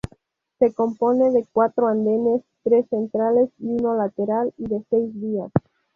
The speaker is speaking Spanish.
Se compone de cuatro andenes, tres centrales y uno lateral y de seis vías.